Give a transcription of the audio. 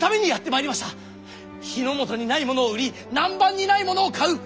日ノ本にないものを売り南蛮にないものを買う！